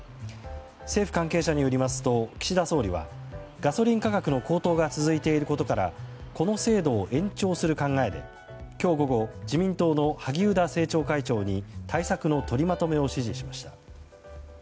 政府関係者によりますと岸田総理はガソリン価格の高騰が続いていることからこの制度を延長する考えで今日午後、自民党の萩生田政調会長に対策の取りまとめを指示しました。